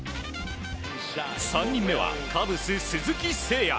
３人目はカブス、鈴木誠也。